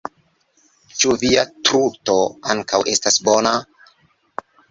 Ĉu via truto ankaŭ estas bona?